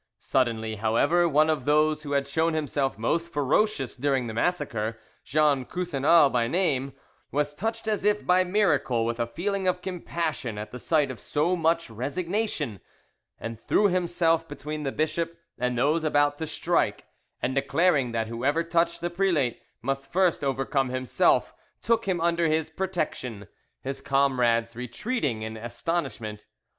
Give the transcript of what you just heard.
Suddenly, however, one of those who had shown himself most ferocious during the massacre, Jean Coussinal by name, was touched as if by miracle with a feeling of compassion at the sight of so much resignation, and threw himself between the bishop and those about to strike, and declaring that whoever touched the prelate must first overcome himself, took him under his protection, his comrades retreating in astonishment.